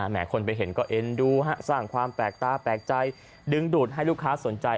คนไปเห็นก็เอ็นดูฮะสร้างความแปลกตาแปลกใจดึงดูดให้ลูกค้าสนใจ